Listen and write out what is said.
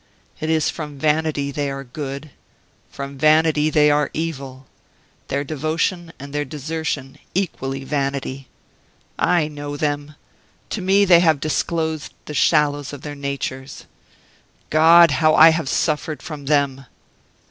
It is from vanity they are good from vanity they are evil; their devotion and their desertion equally vanity. I know them. To me they have disclosed the shallows of their natures. God! how I have suffered from them!"